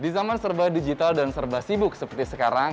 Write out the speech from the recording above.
di zaman serba digital dan serba sibuk seperti sekarang